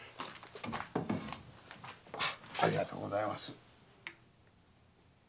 ありがとうございます。